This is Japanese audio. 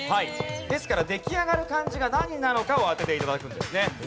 ですから出来上がる漢字が何なのかを当てて頂くんですね。